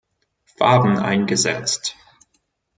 Farben eingesetzt.